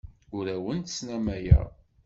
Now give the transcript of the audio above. Ur awent-snamayeɣ.